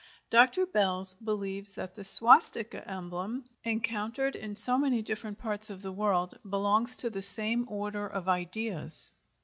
Dr. Baelz believes that the swastika emblem, encountered in so many different parts of the world, belongs to the same order of ideas.